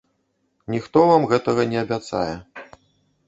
Ніхто вам гэтага не абяцае.